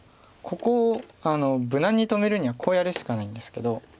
ここを無難に止めるにはこうやるしかないんですけど。